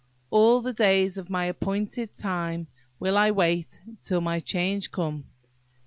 All the days of my appointed time will I wait, till my change come."